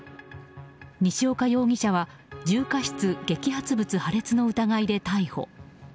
西岡容疑者は重過失激発物破裂の疑いで逮捕。